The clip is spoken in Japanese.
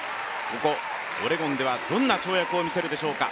ここオレゴンではどんな跳躍を見せるでしょうか。